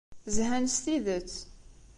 Zhan s tidet.